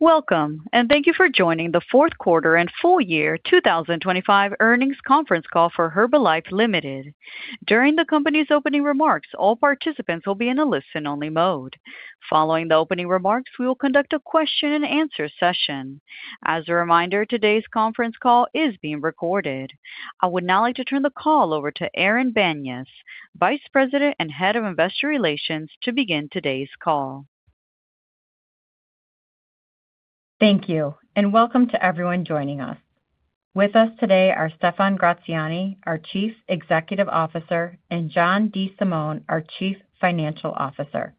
Welcome, and thank you for joining the Fourth Quarter and Full Year 2025 Earnings Conference Call for Herbalife Ltd. During the company's opening remarks, all participants will be in a listen-only mode. Following the opening remarks, we will conduct a question-and-answer session. As a reminder, today's conference call is being recorded. I would now like to turn the call over to Erin Banyas, Vice President and Head of Investor Relations, to begin today's call. Thank you, and welcome to everyone joining us. With us today are Stephan Gratziani, our Chief Executive Officer, and John DeSimone, our Chief Financial Officer.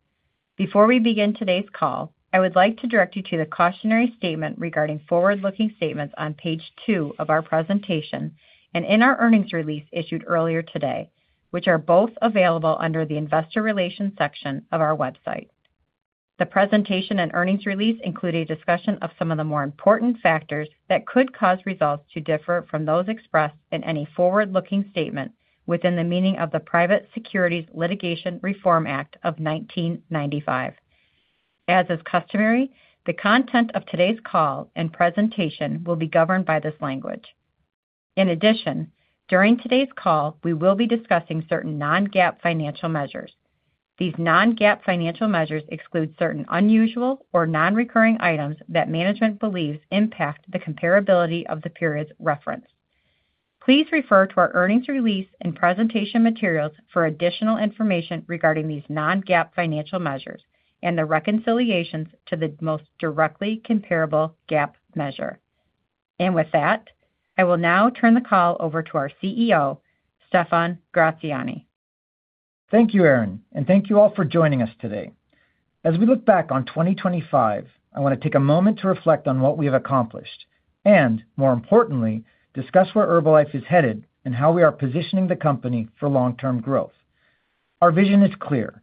Before we begin today's call, I would like to direct you to the cautionary statement regarding forward-looking statements on page two of our presentation and in our Earnings Release issued earlier today, which are both available under the Investor Relations section of our website. The presentation and earnings release include a discussion of some of the more important factors that could cause results to differ from those expressed in any forward-looking statement within the meaning of the Private Securities Litigation Reform Act of 1995. As is customary, the content of today's call and presentation will be governed by this language. In addition, during today's call, we will be discussing certain non-GAAP financial measures. These non-GAAP financial measures exclude certain unusual or non-recurring items that management believes impact the comparability of the period's reference. Please refer to our earnings release and presentation materials for additional information regarding these non-GAAP financial measures and their reconciliations to the most directly comparable GAAP measure. With that, I will now turn the call over to our CEO, Stephan Gratziani. Thank you, Erin, and thank you all for joining us today. As we look back on 2025, I want to take a moment to reflect on what we have accomplished, and more importantly, discuss where Herbalife is headed and how we are positioning the company for long-term growth. Our vision is clear: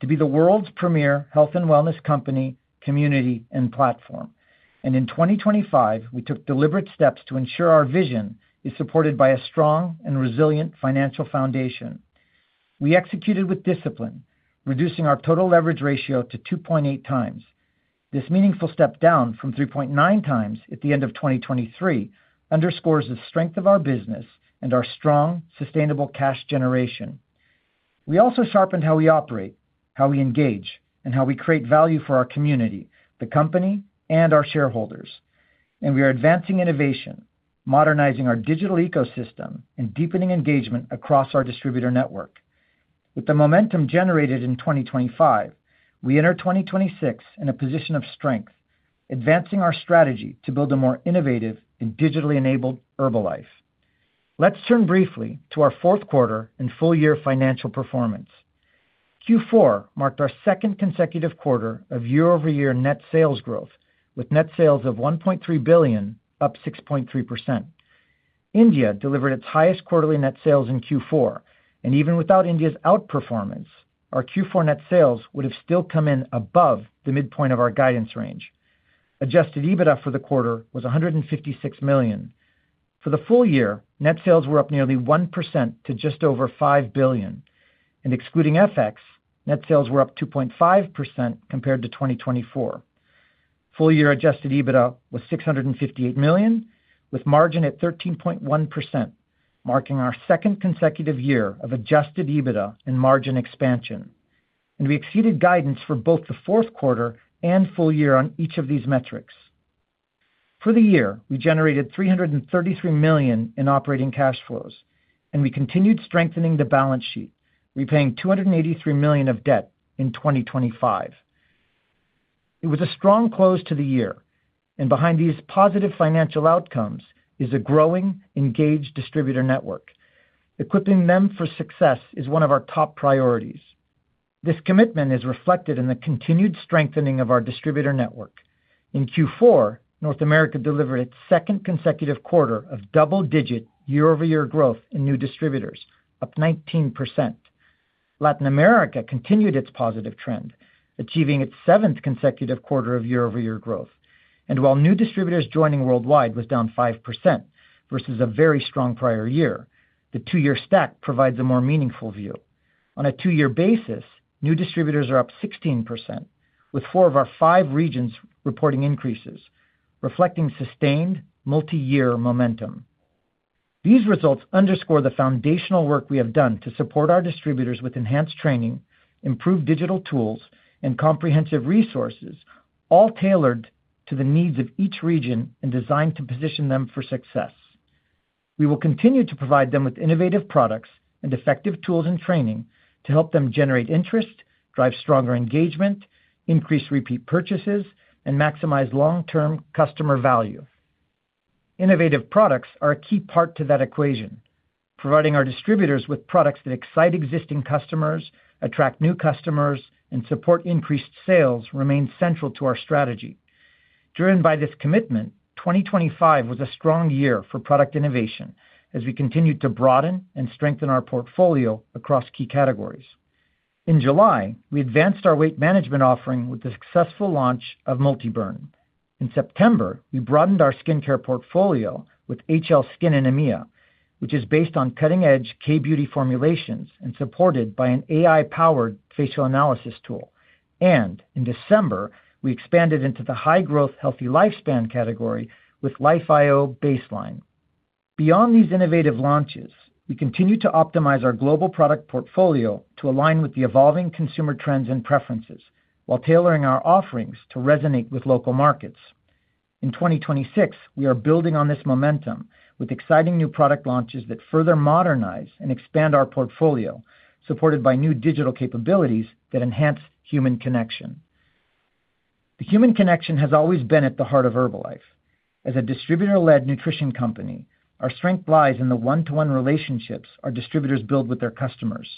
to be the world's premier health and wellness company, community, and platform. In 2025, we took deliberate steps to ensure our vision is supported by a strong and resilient financial foundation. We executed with discipline, reducing our total leverage ratio to 2.8x. This meaningful step down from 3.9x at the end of 2023 underscores the strength of our business and our strong, sustainable cash generation. We also sharpened how we operate, how we engage, and how we create value for our community, the company, and our shareholders. We are advancing innovation, modernizing our digital ecosystem, and deepening engagement across our distributor network. With the momentum generated in 2025, we enter 2026 in a position of strength, advancing our strategy to build a more innovative and digitally enabled Herbalife. Let's turn briefly to our fourth quarter and full year financial performance. Q4 marked our second consecutive quarter of year-over-year net sales growth, with net sales of $1.3 billion, up 6.3%. India delivered its highest quarterly net sales in Q4, and even without India's outperformance, our Q4 net sales would have still come in above the midpoint of our guidance range. Adjusted EBITDA for the quarter was $156 million. For the full year, net sales were up nearly 1% to just over $5 billion, and excluding FX, net sales were up 2.5% compared to 2024. Full year adjusted EBITDA was $658 million, with margin at 13.1%, marking our second consecutive year of adjusted EBITDA and margin expansion. We exceeded guidance for both the fourth quarter and full year on each of these metrics. For the year, we generated $333 million in operating cash flows, and we continued strengthening the balance sheet, repaying $283 million of debt in 2025. It was a strong close to the year, and behind these positive financial outcomes is a growing, engaged distributor network. Equipping them for success is one of our top priorities. This commitment is reflected in the continued strengthening of our distributor network. In Q4, North America delivered its second consecutive quarter of double-digit year-over-year growth in new distributors, up 19%. Latin America continued its positive trend, achieving its seventh consecutive quarter of year-over-year growth. While new distributors joining worldwide was down 5% versus a very strong prior year, the 2-year stack provides a more meaningful view. On a 2-year basis, new distributors are up 16%, with 4 of our 5 regions reporting increases, reflecting sustained multiyear momentum. These results underscore the foundational work we have done to support our distributors with enhanced training, improved digital tools, and comprehensive resources, all tailored to the needs of each region and designed to position them for success. We will continue to provide them with innovative products and effective tools and training to help them generate interest, drive stronger engagement, increase repeat purchases, and maximize long-term customer value. Innovative products are a key part to that equation. Providing our distributors with products that excite existing customers, attract new customers, and support increased sales remains central to our strategy. Driven by this commitment, 2025 was a strong year for product innovation as we continued to broaden and strengthen our portfolio across key categories. In July, we advanced our weight management offering with the successful launch of MultiBurn. In September, we broadened our skincare portfolio with HL/Skin in EMEA, which is based on cutting-edge K-beauty formulations and supported by an AI-powered facial analysis tool. In December, we expanded into the high-growth healthy lifespan category with Life I/O Baseline. Beyond these innovative launches, we continue to optimize our global product portfolio to align with the evolving consumer trends and preferences, while tailoring our offerings to resonate with local markets. In 2026, we are building on this momentum with exciting new product launches that further modernize and expand our portfolio, supported by new digital capabilities that enhance human connection. The human connection has always been at the heart of Herbalife. As a distributor-led nutrition company, our strength lies in the one-to-one relationships our distributors build with their customers.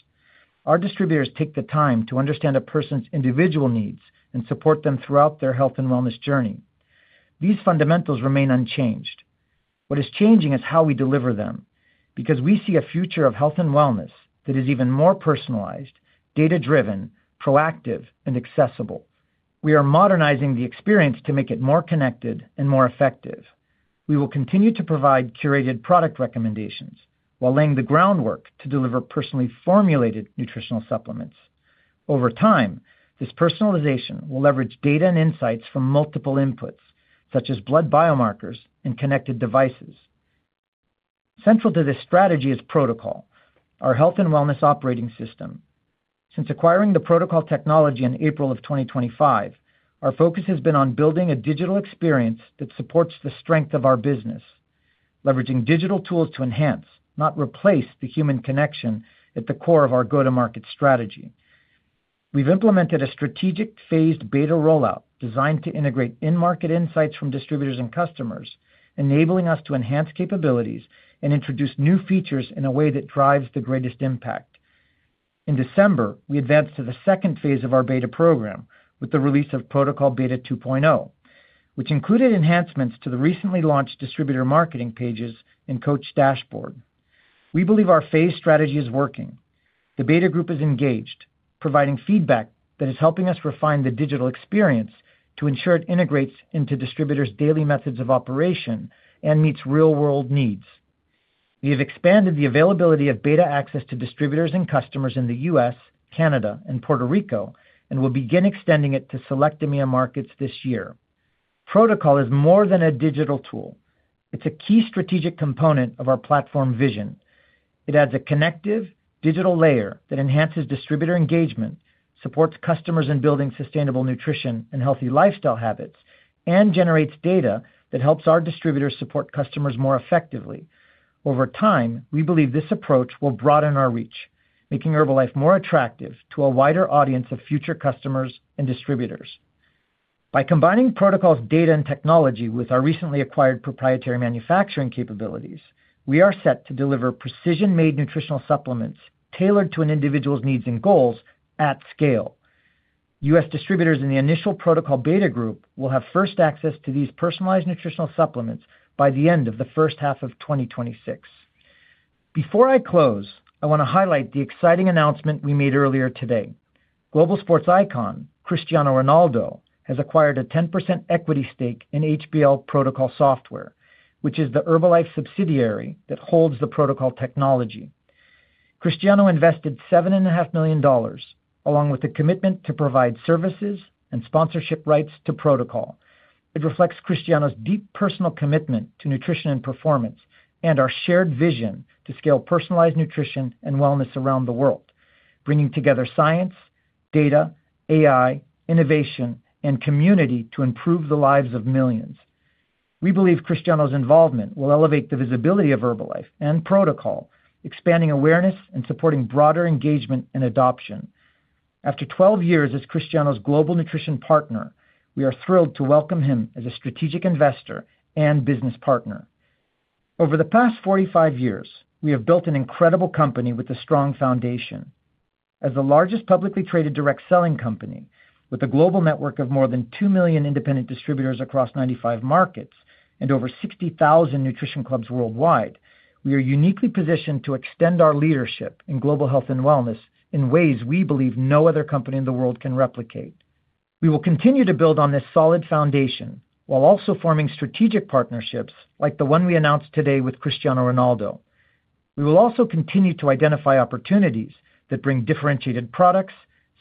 Our distributors take the time to understand a person's individual needs and support them throughout their health and wellness journey. These fundamentals remain unchanged. What is changing is how we deliver them, because we see a future of health and wellness that is even more personalized, data-driven, proactive, and accessible. We are modernizing the experience to make it more connected and more effective. We will continue to provide curated product recommendations while laying the groundwork to deliver personally formulated nutritional supplements. Over time, this personalization will leverage data and insights from multiple inputs, such as blood biomarkers and connected devices. Central to this strategy is Pro2col, our health and wellness operating system. Since acquiring the Pro2col technology in April 2025, our focus has been on building a digital experience that supports the strength of our business, leveraging digital tools to enhance, not replace, the human connection at the core of our go-to-market strategy. We've implemented a strategic phased beta rollout designed to integrate in-market insights from distributors and customers, enabling us to enhance capabilities and introduce new features in a way that drives the greatest impact. In December, we advanced to the second phase of our beta program with the release of Pro2col Beta 2.0, which included enhancements to the recently launched distributor marketing pages and Coach Dashboard. We believe our phased strategy is working. The beta group is engaged, providing feedback that is helping us refine the digital experience to ensure it integrates into distributors' daily methods of operation and meets real-world needs. We have expanded the availability of beta access to distributors and customers in the U.S., Canada, and Puerto Rico, and will begin extending it to select EMEA markets this year. Pro2col is more than a digital tool. It's a key strategic component of our platform vision. It adds a connective digital layer that enhances distributor engagement, supports customers in building sustainable nutrition and healthy lifestyle habits, and generates data that helps our distributors support customers more effectively. Over time, we believe this approach will broaden our reach, making Herbalife more attractive to a wider audience of future customers and distributors. By combining Pro2col's data and technology with our recently acquired proprietary manufacturing capabilities, we are set to deliver precision-made nutritional supplements tailored to an individual's needs and goals at scale. U.S. distributors in the initial Pro2col beta group will have first access to these personalized nutritional supplements by the end of the first half of 2026. Before I close, I want to highlight the exciting announcement we made earlier today. Global sports icon, Cristiano Ronaldo, has acquired a 10% equity stake in HBL Pro2col Software, which is the Herbalife subsidiary that holds the Pro2col technology. Cristiano invested $7.5 million, along with a commitment to provide services and sponsorship rights to Pro2col. It reflects Cristiano's deep personal commitment to nutrition and performance, and our shared vision to scale personalized nutrition and wellness around the world, bringing together science, data, AI, innovation, and community to improve the lives of millions. We believe Cristiano's involvement will elevate the visibility of Herbalife and Pro2col, expanding awareness and supporting broader engagement and adoption. After 12 years as Cristiano's global nutrition partner, we are thrilled to welcome him as a strategic investor and business partner. Over the past 45 years, we have built an incredible company with a strong foundation. As the largest publicly traded direct selling company, with a global network of more than 2 million independent distributors across 95 markets and over 60,000 Nutrition Clubs worldwide, we are uniquely positioned to extend our leadership in global health and wellness in ways we believe no other company in the world can replicate. We will continue to build on this solid foundation, while also forming strategic partnerships like the one we announced today with Cristiano Ronaldo. We will also continue to identify opportunities that bring differentiated products,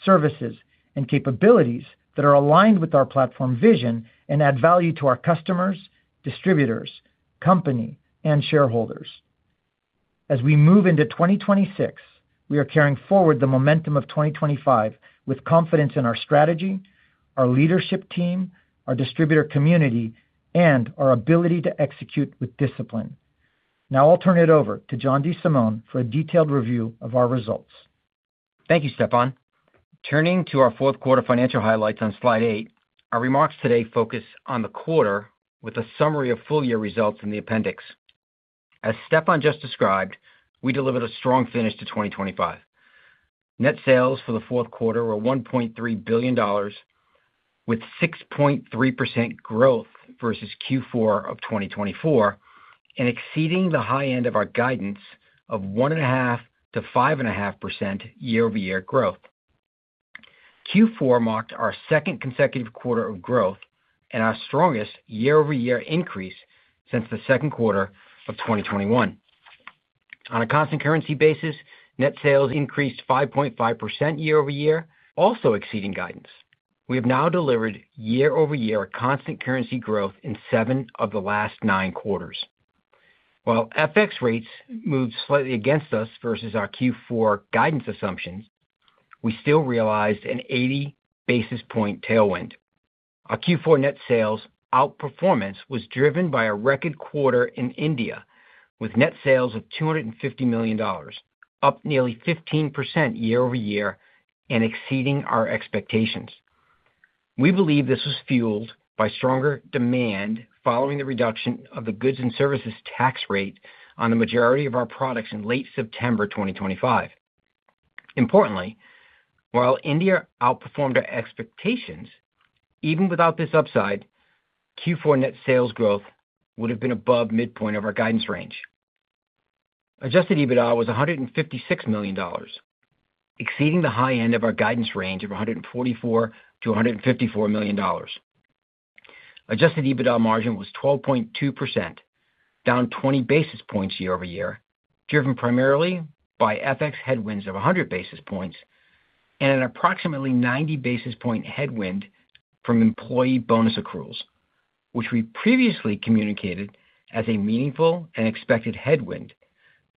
services, and capabilities that are aligned with our platform vision and add value to our customers, distributors, company, and shareholders. As we move into 2026, we are carrying forward the momentum of 2025 with confidence in our strategy, our leadership team, our distributor community, and our ability to execute with discipline. Now I'll turn it over to John DeSimone for a detailed review of our results. Thank you, Stephan. Turning to our fourth quarter financial highlights on slide eight, our remarks today focus on the quarter with a summary of full-year results in the appendix. As Stephan just described, we delivered a strong finish to 2025. Net sales for the fourth quarter were $1.3 billion, with 6.3% growth versus Q4 of 2024, and exceeding the high end of our guidance of 1.5%-5.5% year-over-year growth. Q4 marked our second consecutive quarter of growth and our strongest year-over-year increase since the second quarter of 2021. On a constant currency basis, net sales increased 5.5% year-over-year, also exceeding guidance. We have now delivered year-over-year constant currency growth in seven of the last nine quarters. While FX rates moved slightly against us versus our Q4 guidance assumptions, we still realized an 80 basis point tailwind. Our Q4 net sales outperformance was driven by a record quarter in India, with net sales of $250 million, up nearly 15% year-over-year and exceeding our expectations. We believe this was fueled by stronger demand following the reduction of the Goods and Services Tax rate on the majority of our products in late September 2025. Importantly, while India outperformed our expectations, even without this upside, Q4 net sales growth would have been above midpoint of our guidance range. Adjusted EBITDA was $156 million, exceeding the high end of our guidance range of $144 million to $154 million. Adjusted EBITDA margin was 12.2%, down 20 basis points year-over-year, driven primarily by FX headwinds of 100 basis points and an approximately 90 basis point headwind from employee bonus accruals, which we previously communicated as a meaningful and expected headwind,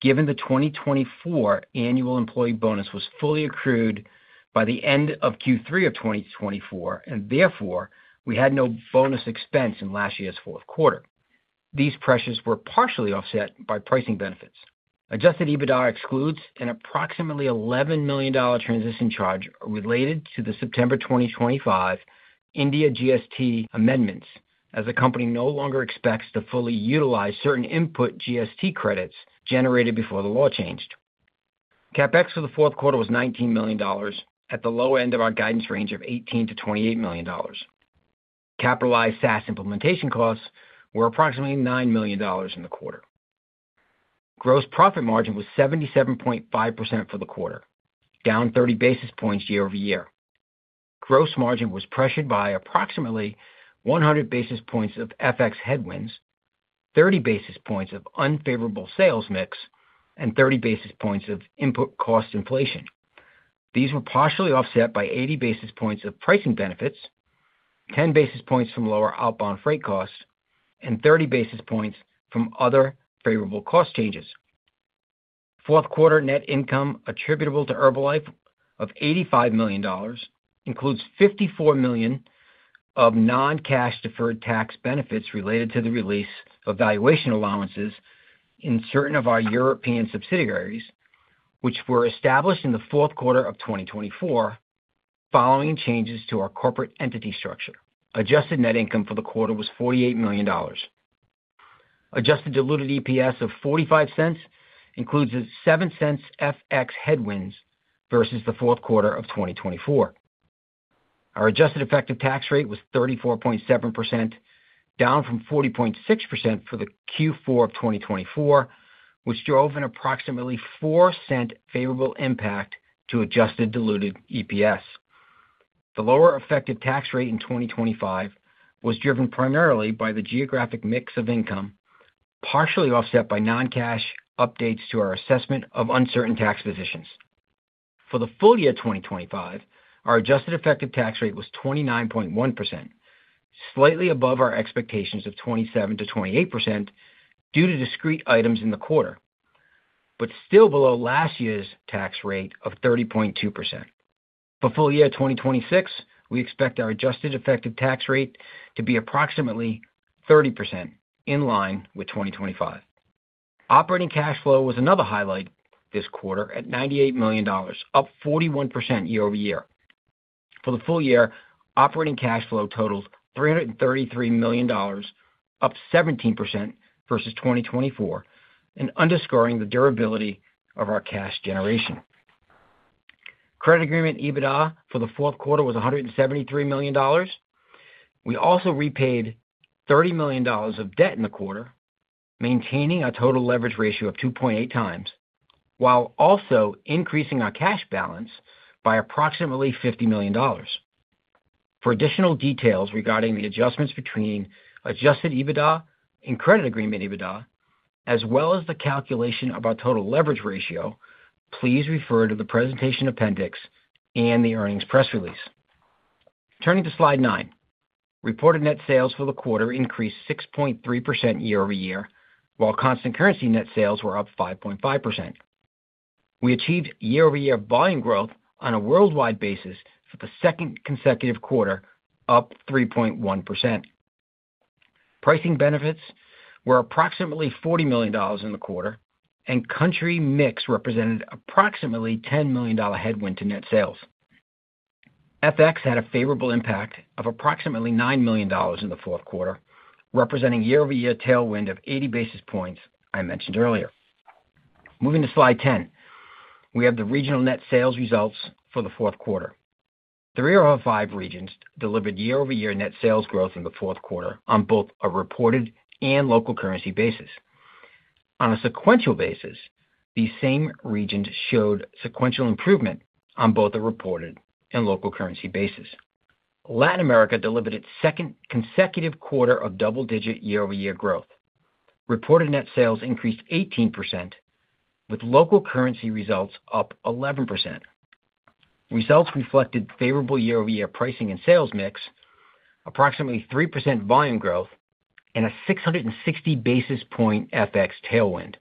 given the 2024 annual employee bonus was fully accrued by the end of Q3 of 2024, and therefore we had no bonus expense in last year's fourth quarter. These pressures were partially offset by pricing benefits. Adjusted EBITDA excludes an approximately $11 million transition charge related to the September 2025 India GST amendments, as the company no longer expects to fully utilize certain input GST credits generated before the law changed. CapEx for the fourth quarter was $19 million, at the low end of our guidance range of $18 million to $28 million. Capitalized SaaS implementation costs were approximately $9 million in the quarter. Gross profit margin was 77.5% for the quarter, down 30 basis points year-over-year. Gross margin was pressured by approximately 100 basis points of FX headwinds, 30 basis points of unfavorable sales mix, and 30 basis points of input cost inflation. These were partially offset by 80 basis points of pricing benefits, 10 basis points from lower outbound freight costs, and 30 basis points from other favorable cost changes. Fourth quarter net income attributable to Herbalife of $85 million, includes $54 million of non-cash deferred tax benefits related to the release of valuation allowances in certain of our European subsidiaries, which were established in the fourth quarter of 2024, following changes to our corporate entity structure. Adjusted net income for the quarter was $48 million. Adjusted diluted EPS of $0.45 includes $0.07 FX headwinds versus the fourth quarter of 2024. Our adjusted effective tax rate was 34.7%, down from 40.6% for the Q4 of 2024, which drove an approximately $0.04 favorable impact to adjusted diluted EPS. The lower effective tax rate in 2025 was driven primarily by the geographic mix of income, partially offset by non-cash updates to our assessment of uncertain tax positions. For the full year 2025, our adjusted effective tax rate was 29.1%, slightly above our expectations of 27%-28%, due to discrete items in the quarter, but still below last year's tax rate of 30.2%. For full year 2026, we expect our adjusted effective tax rate to be approximately 30%, in line with 2025. Operating cash flow was another highlight this quarter at $98 million, up 41% year-over-year. For the full year, operating cash flow totaled $333 million, up 17% versus 2024, and underscoring the durability of our cash generation. Credit Agreement EBITDA for the fourth quarter was $173 million. We also repaid $30 million of debt in the quarter, maintaining a total leverage ratio of 2.8x, while also increasing our cash balance by approximately $50 million. For additional details regarding the adjustments between adjusted EBITDA and Credit Agreement EBITDA, as well as the calculation of our total leverage ratio, please refer to the presentation appendix and the earnings press release. Turning to slide nine. Reported net sales for the quarter increased 6.3% year-over-year, while constant currency net sales were up 5.5%. We achieved year-over-year volume growth on a worldwide basis for the second consecutive quarter, up 3.1%. Pricing benefits were approximately $40 million in the quarter, and country mix represented approximately $10 million headwind to net sales. FX had a favorable impact of approximately $9 million in the fourth quarter, representing year-over-year tailwind of 80 basis points I mentioned earlier. Moving to slide 10. We have the regional net sales results for the fourth quarter. Three out of five regions delivered year-over-year net sales growth in the fourth quarter on both a reported and local currency basis. On a sequential basis, these same regions showed sequential improvement on both a reported and local currency basis. Latin America delivered its second consecutive quarter of double-digit year-over-year growth. Reported net sales increased 18%, with local currency results up 11%. Results reflected favorable year-over-year pricing and sales mix, approximately 3% volume growth, and a 660 basis point FX tailwind.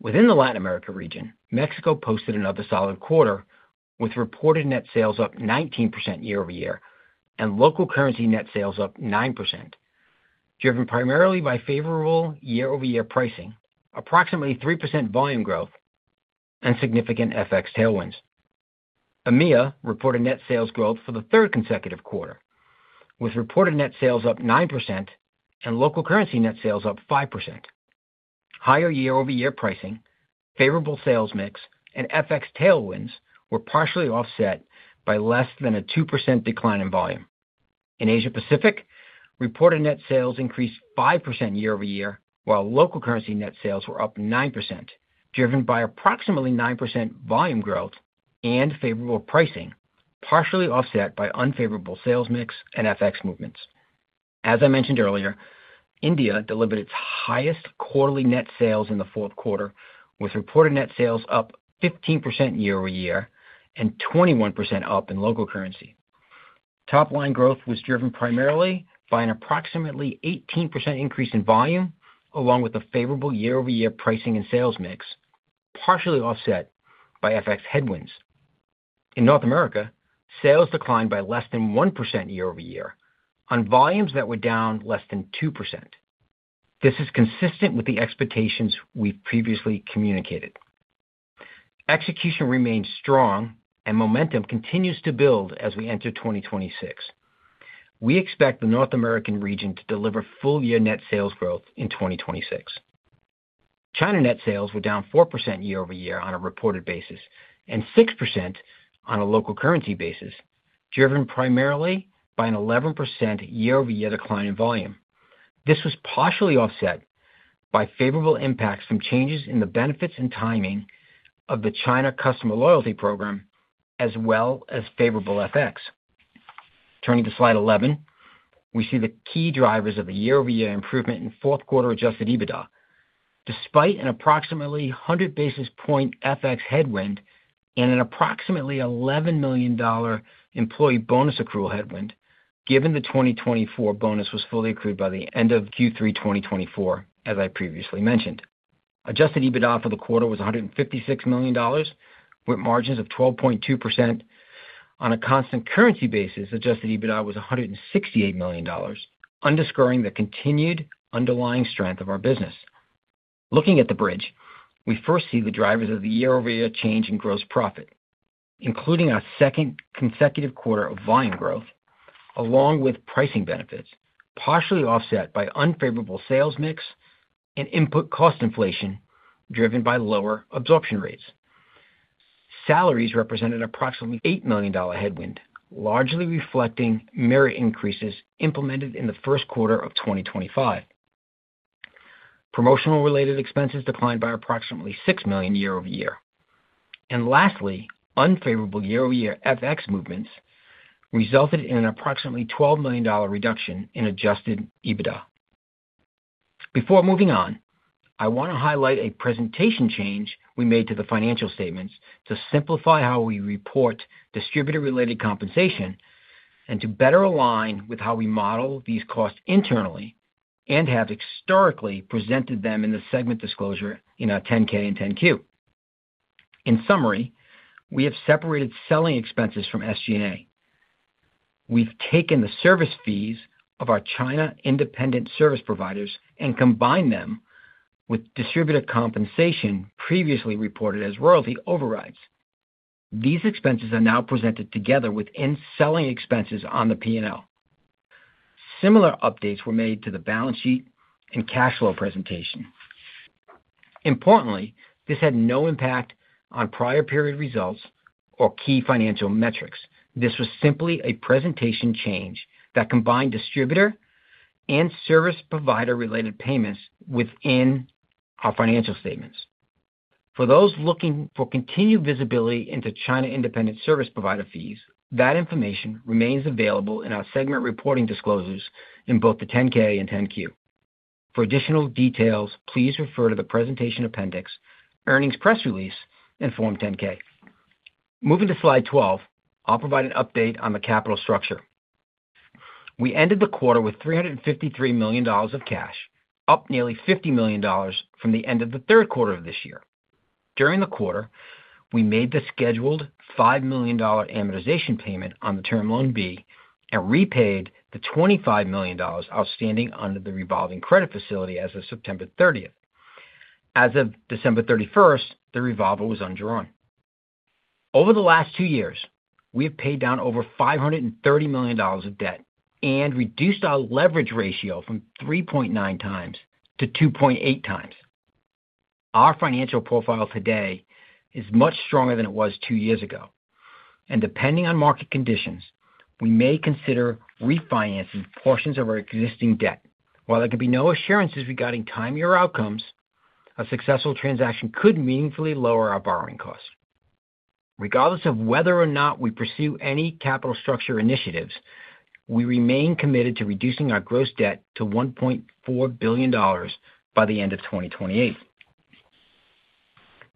Within the Latin America region, Mexico posted another solid quarter, with reported net sales up 19% year-over-year and local currency net sales up 9%, driven primarily by favorable year-over-year pricing, approximately 3% volume growth, and significant FX tailwinds. EMEA reported net sales growth for the third consecutive quarter, with reported net sales up 9% and local currency net sales up 5%. Higher year-over-year pricing, favorable sales mix, and FX tailwinds were partially offset by less than a 2% decline in volume. In Asia Pacific, reported net sales increased 5% year-over-year, while local currency net sales were up 9%, driven by approximately 9% volume growth and favorable pricing, partially offset by unfavorable sales mix and FX movements. As I mentioned earlier, India delivered its highest quarterly net sales in the fourth quarter, with reported net sales up 15% year-over-year and 21% up in local currency. Top-line growth was driven primarily by an approximately 18% increase in volume, along with a favorable year-over-year pricing and sales mix, partially offset by FX headwinds. In North America, sales declined by less than 1% year-over-year on volumes that were down less than 2%. This is consistent with the expectations we previously communicated. Execution remains strong and momentum continues to build as we enter 2026. We expect the North American region to deliver full-year net sales growth in 2026. China net sales were down 4% year-over-year on a reported basis, and 6% on a local currency basis, driven primarily by an 11% year-over-year decline in volume. This was partially offset by favorable impacts from changes in the benefits and timing of the China customer loyalty program, as well as favorable FX. Turning to slide 11, we see the key drivers of the year-over-year improvement in fourth quarter adjusted EBITDA, despite an approximately 100 basis point FX headwind and an approximately $11 million employee bonus accrual headwind, given the 2024 bonus was fully accrued by the end of Q3 2024, as I previously mentioned. Adjusted EBITDA for the quarter was $156 million, with margins of 12.2%. On a constant currency basis, adjusted EBITDA was $168 million, underscoring the continued underlying strength of our business. Looking at the bridge, we first see the drivers of the year-over-year change in gross profit, including our second consecutive quarter of volume growth, along with pricing benefits, partially offset by unfavorable sales mix and input cost inflation, driven by lower absorption rates. Salaries represented approximately $8 million headwind, largely reflecting merit increases implemented in the first quarter of 2025. Promotional-related expenses declined by approximately $6 million year-over-year. And lastly, unfavorable year-over-year FX movements resulted in an approximately $12 million reduction in adjusted EBITDA. Before moving on, I want to highlight a presentation change we made to the financial statements to simplify how we report distributor-related compensation and to better align with how we model these costs internally and have historically presented them in the segment disclosure in our 10-K and 10-Q. In summary, we have separated selling expenses from SG&A. We've taken the service fees of our China independent service providers and combined them with distributor compensation previously reported as royalty overrides. These expenses are now presented together within selling expenses on the P&L. Similar updates were made to the balance sheet and cash flow presentation. Importantly, this had no impact on prior period results or key financial metrics. This was simply a presentation change that combined distributor and service provider-related payments within our financial statements. For those looking for continued visibility into China independent service provider fees, that information remains available in our segment reporting disclosures in both the 10-K and 10-Q. For additional details, please refer to the presentation appendix, earnings press release, and Form 10-K. Moving to slide 12, I'll provide an update on the capital structure. We ended the quarter with $353 million of cash, up nearly $50 million from the end of the third quarter of this year. During the quarter, we made the scheduled $5 million amortization payment on the Term Loan B and repaid the $25 million outstanding under the revolving credit facility as of September 30. As of December 31, the revolver was undrawn. Over the last two years, we have paid down over $530 million of debt and reduced our leverage ratio from 3.9x-2.8x. Our financial profile today is much stronger than it was two years ago, and depending on market conditions, we may consider refinancing portions of our existing debt. While there can be no assurances regarding this year's outcomes, a successful transaction could meaningfully lower our borrowing costs. Regardless of whether or not we pursue any capital structure initiatives, we remain committed to reducing our gross debt to $1.4 billion by the end of 2028.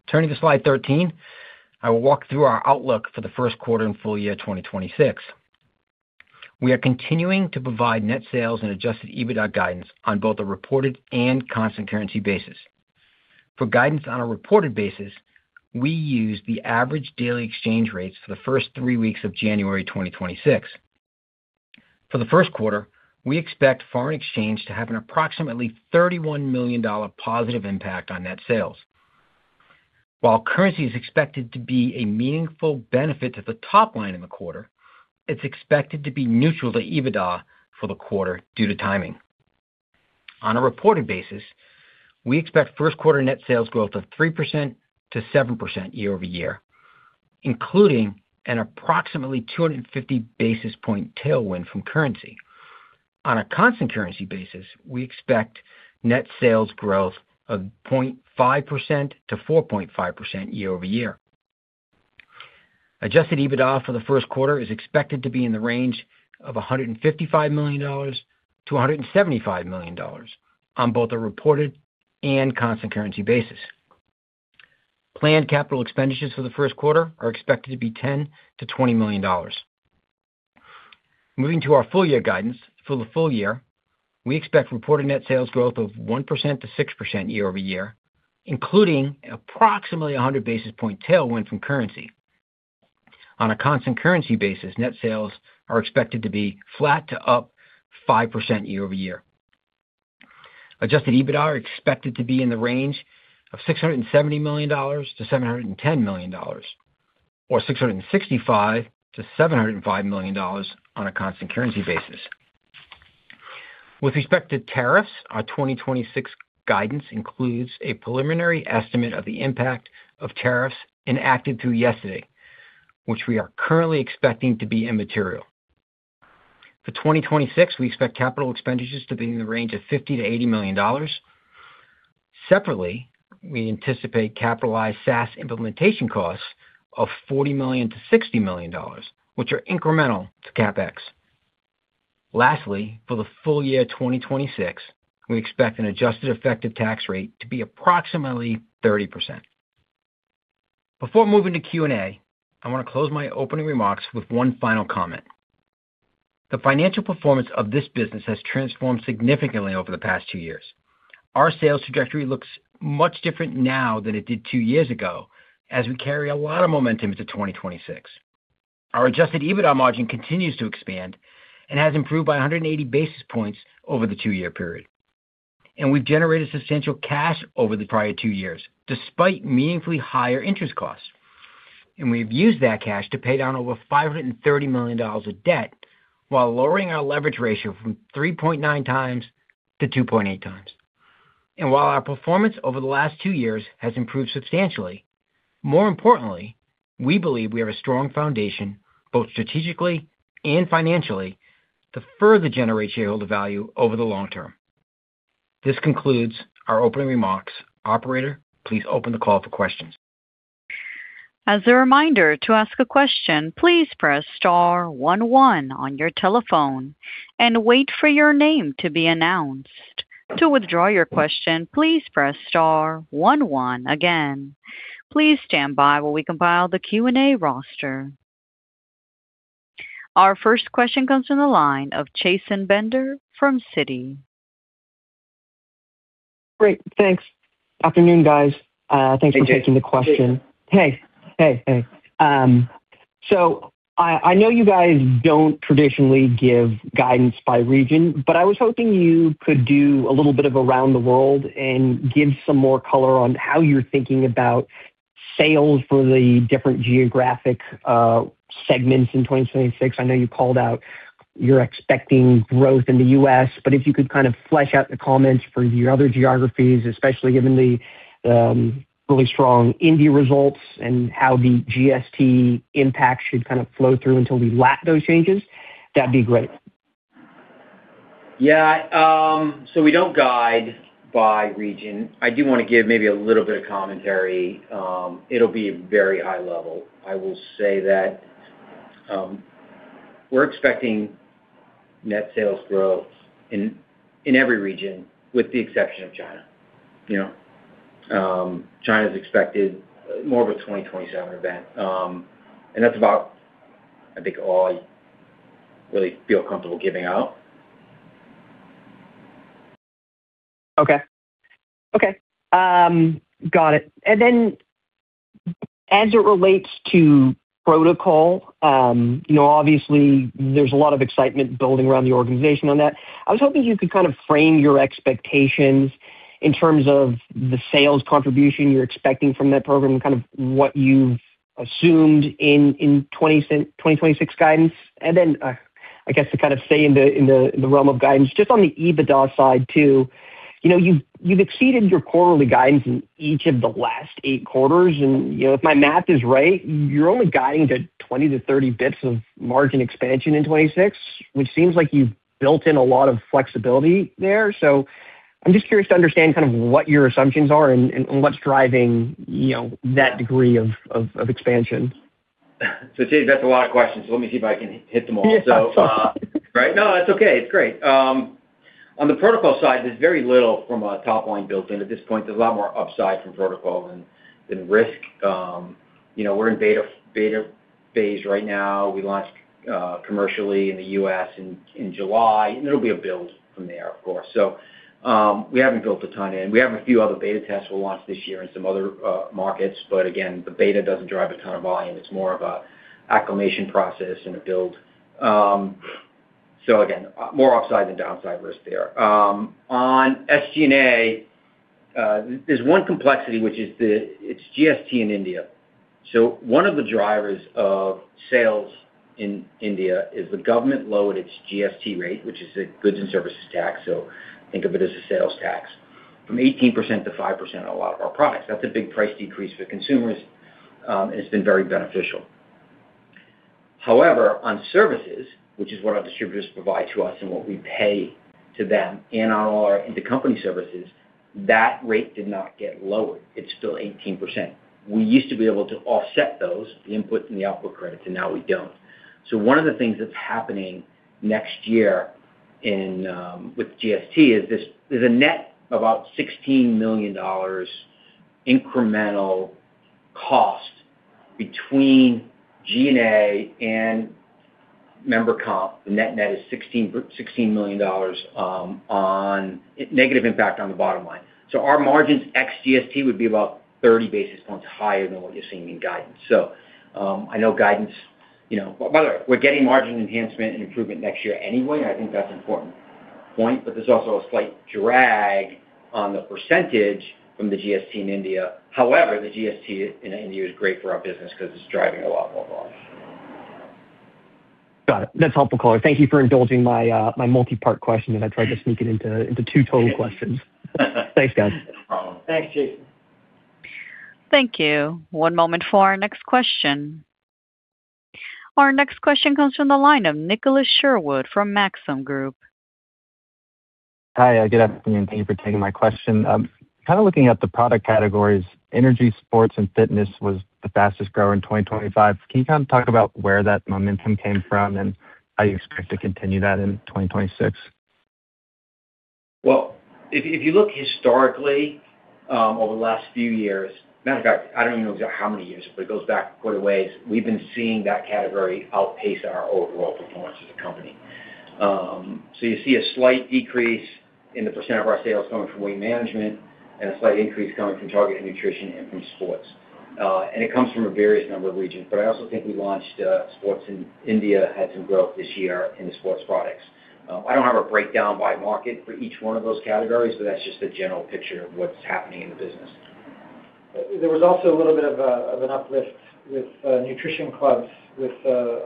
Turning to slide 13, I will walk through our outlook for the first quarter and full year 2026. We are continuing to provide net sales and adjusted EBITDA guidance on both a reported and constant currency basis. For guidance on a reported basis, we use the average daily exchange rates for the first three weeks of January 2026. For the first quarter, we expect foreign exchange to have an approximately $31 million positive impact on net sales. While currency is expected to be a meaningful benefit to the top line in the quarter, it's expected to be neutral to EBITDA for the quarter due to timing. On a reported basis, we expect first quarter net sales growth of 3%-7% year-over-year, including an approximately 250 basis point tailwind from currency. On a constant currency basis, we expect net sales growth of 0.5%-4.5% year-over-year. Adjusted EBITDA for the first quarter is expected to be in the range of $155 million to $175 million on both a reported and constant currency basis. Planned capital expenditures for the first quarter are expected to be $10 million to $20 million. Moving to our full-year guidance. For the full year, we expect reported net sales growth of 1%-6% year-over-year, including approximately 100 basis points tailwind from currency. On a constant currency basis, net sales are expected to be flat to up 5% year-over-year. Adjusted EBITDA are expected to be in the range of $670 million to $710 million, or $665 million to $705 million on a constant currency basis. With respect to tariffs, our 2026 guidance includes a preliminary estimate of the impact of tariffs enacted through yesterday, which we are currently expecting to be immaterial. For 2026, we expect capital expenditures to be in the range of $50 million to $80 million. Separately, we anticipate capitalized SaaS implementation costs of $40 million to $60 million, which are incremental to CapEx. Lastly, for the full year 2026, we expect an adjusted effective tax rate to be approximately 30%. Before moving to Q&A, I want to close my opening remarks with one final comment. The financial performance of this business has transformed significantly over the past two years. Our sales trajectory looks much different now than it did two years ago as we carry a lot of momentum into 2026. Our adjusted EBITDA margin continues to expand and has improved by 100 basis points over the two-year period, and we've generated substantial cash over the prior two years, despite meaningfully higher interest costs. And we've used that cash to pay down over $530 million of debt, while lowering our leverage ratio from 3.9x-2.8x. And while our performance over the last two years has improved substantially, more importantly, we believe we have a strong foundation, both strategically and financially, to further generate shareholder value over the long term. This concludes our opening remarks. Operator, please open the call for questions. As a reminder, to ask a question, please press star one one on your telephone and wait for your name to be announced. To withdraw your question, please press star one one again. Please stand by while we compile the Q&A roster. Our first question comes from the line of Chasen Bender from Citi. Great. Thanks. Afternoon, guys. Hey, Chasen. Thanks for taking the question. I know you guys don't traditionally give guidance by region, but I was hoping you could do a little bit of around-the-world and give some more color on how you're thinking about sales for the different geographic segments in 2026. I know you called out you're expecting growth in the U.S., but if you could kind of flesh out the comments for your other geographies, especially given the really strong India results and how the GST impact should kind of flow through until we lap those changes, that'd be great. We don't guide by region. I do want to give maybe a little bit of commentary. It'll be very high-level. I will say that, we're expecting net sales growth in every region, with the exception of China. You know, China's expected more of a 2027 event. And that's about, I think, all I really feel comfortable giving out. Got it. Then as it relates to Pro2col, obviously there's a lot of excitement building around the organization on that. I was hoping you could frame your expectations in terms of the sales contribution you're expecting from that program and kind of what you've assumed in 2026 guidance. Then, I guess to kind of stay in the realm of guidance, just on the EBITDA side too, you know, you've exceeded your quarterly guidance in each of the last eight quarters, and if my math is right, you're only guiding to 20-30 basis points of margin expansion in 2026, which seems like you've built in a lot of flexibility there. I'm just curious to understand kind of what your assumptions are and what's driving, you know, that degree of expansion? Chasen, that's a lot of questions, so let me see if I can hit them all. Right. No, that's okay. It's great. On the Pro2col side, there's very little from a top line built in. At this point, there's a lot more upside from Pro2col than risk. We're in beta phase right now. We launched commercially in the U.S. in July, and it'll be a build from there, of course. We haven't built a ton in. We have a few other beta tests we'll launch this year in some other markets, but again, the beta doesn't drive a ton of volume. It's more of an acclimation process and a build. Again, more upside than downside risk there. On SG&A, there's one complexity, which is the GST in India. One of the drivers of sales in India is the government lowered its GST rate, which is a Goods and Services Tax, so think of it as a sales tax, from 18% to 5% on a lot of our products. That's a big price decrease for consumers, and it's been very beneficial. However, on services, which is what our distributors provide to us and what we pay to them in all our intercompany services, that rate did not get lowered. It's still 18%. We used to be able to offset those, the input and the output credits, and now we don't. So one of the things that's happening next year with GST is this, there's a net about $16 million incremental cost between G&A and member comp. The net-net is $16 million on negative impact on the bottom line. So our margins ex GST would be about 30 basis points higher than what you're seeing in guidance. So, I know guidance, you know. By the way, we're getting margin enhancement and improvement next year anyway. I think that's an important point, but there's also a slight drag on the percentage from the GST in India. However, the GST in India is great for our business because it's driving a lot more volume. Got it. That's helpful, color. Thank you for indulging my multi-part question, and I tried to sneak it into two total questions. Thanks, guys. No problem. Thanks, Chasen. Thank you. One moment for our next question. Our next question comes from the line of Nicholas Sherwood from Maxim Group. Hi, good afternoon. Thank you for taking my question. Kind of looking at the product categories, energy, sports, and fitness was the fastest grower in 2025. Can you kind of talk about where that momentum came from and how you expect to continue that in 2026? Well, if you look historically, over the last few years, matter of fact, I don't even know exactly how many years, but it goes back quite a ways, we've been seeing that category outpace our overall performance as a company. So you see a slight decrease in the percent of our sales coming from weight management and a slight increase coming from targeted nutrition and from sports. And it comes from a various number of regions. But I also think we launched sports in India, had some growth this year in the sports products. I don't have a breakdown by market for each one of those categories, but that's just a general picture of what's happening in the business. There was also a little bit of an uplift with, Nutrition Clubs, with,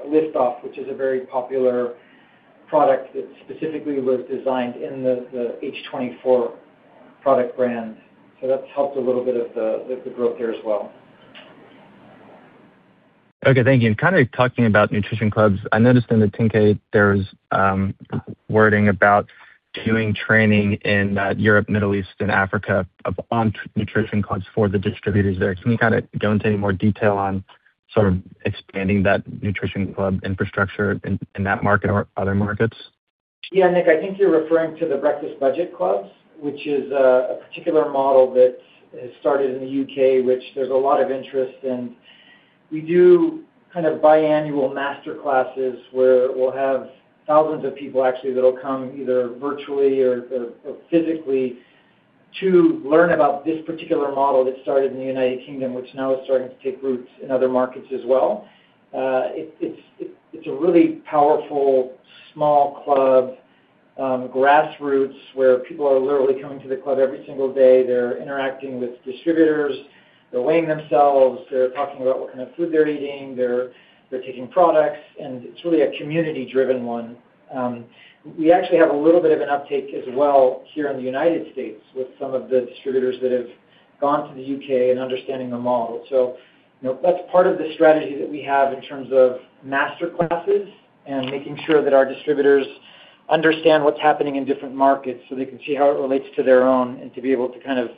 Liftoff, which is a very popular product that specifically was designed in the H24 product brand. So that's helped a little bit of the, with the growth there as well. Okay, thank you. Talking about Nutrition Clubs, I noticed in the 10-K there's wording about doing training in Europe, Middle East, and Africa on Nutrition Clubs for the distributors there. Can you kind of go into any more detail on sort of expanding that nutrition club infrastructure in that market or other markets? Nick, I think you're referring to the Breakfast Budget Clubs, which is a particular model that has started in the U.K., which there's a lot of interest in. We do biannual master classes, where we'll have thousands of people actually that'll come, either virtually or physically, to learn about this particular model that started in the United Kingdom, which now is starting to take roots in other markets as well. It's a really powerful, small club, grassroots, where people are literally coming to the club every single day. They're interacting with distributors, they're weighing themselves, they're talking about what kind of food they're eating, they're taking products, and it's really a community-driven one. We actually have a little bit of an uptake as well here in the United States with some of the distributors that have gone to the U.K. and understanding the model. So you know, that's part of the strategy that we have in terms of master classes and making sure that our distributors understand what's happening in different markets, so they can see how it relates to their own, and to be able to kind of